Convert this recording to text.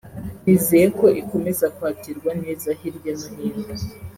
nizeye ko ikomeza kwakirwa neza hirya no hino